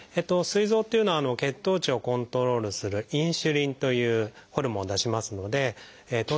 すい臓っていうのは血糖値をコントロールするインスリンというホルモンを出しますので糖尿病とは非常に深く関わってます。